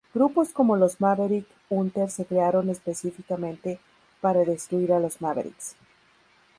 Grupos como los Maverick Hunter se crearon específicamente para destruir a los Mavericks.